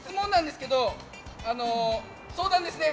相談ですね。